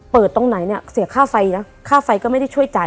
ตรงไหนเนี่ยเสียค่าไฟนะค่าไฟก็ไม่ได้ช่วยจ่าย